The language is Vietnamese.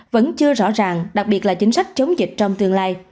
vẫn chưa rõ ràng đặc biệt là chính sách chống dịch trong tương lai